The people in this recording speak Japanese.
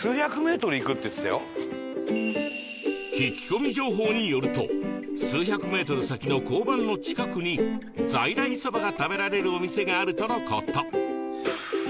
聞き込み情報によると数百メートル先の交番の近くに在来そばが食べられるお店があるとの事